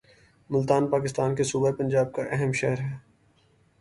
ملتان پاکستان کے صوبہ پنجاب کا ایک اہم شہر ہے